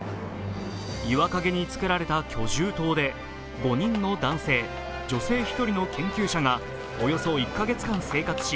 岩陰に造られた居住棟で５人の男性、女性１人の研究者がおよそ１カ月間生活し、